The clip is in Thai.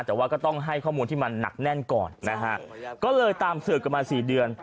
แต่ว่าก็ต้องให้ข้อมูลที่มันหนักแน่นก่อนนะฮะก็เลยตามสืบกันมาสี่เดือน